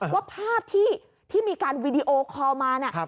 ว่าภาพที่มีการวิดีโอคอลมา